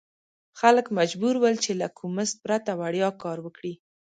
خلک مجبور ول چې له کوم مزد پرته وړیا کار وکړي.